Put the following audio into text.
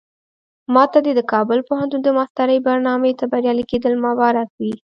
ماته دې د کابل پوهنتون د ماسترۍ برنامې ته بریالي کېدل مبارک وي.